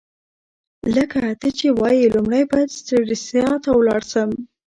لکه ته چي وايې، لومړی باید سټریسا ته ولاړ شم.